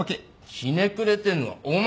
ひねくれてんのはお前な！